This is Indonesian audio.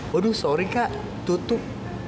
waduh sorry kak tutup